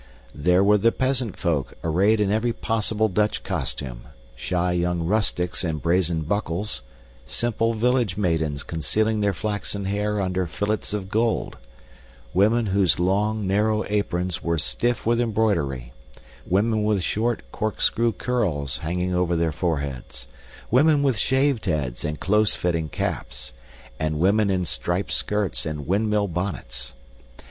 There were the peasant folk arrayed in every possible Dutch costume, shy young rustics in brazen buckles; simple village maidens concealing their flaxen hair under fillets of gold; women whose long, narrow aprons were stiff with embroidery; women with short corkscrew curls hanging over their foreheads; women with shaved heads and close fitting caps; and women in striped skirts and windmill bonnets.